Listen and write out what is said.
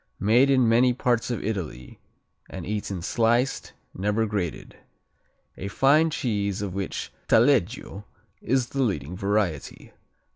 Made in many parts of Italy and eaten sliced, never grated. A fine cheese of which Taleggio is the leading variety.